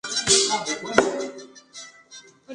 Es originaria de Malasia e Indochina.